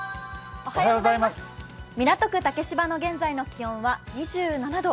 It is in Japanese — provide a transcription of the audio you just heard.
港区竹芝の現在の気温は２７度。